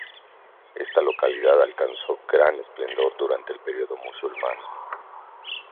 Esta localidad alcanzó gran esplendor durante el período musulmán.